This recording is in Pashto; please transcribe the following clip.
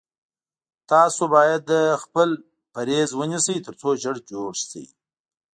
تاسو باید خپل پریز ونیسی تر څو ژر جوړ شی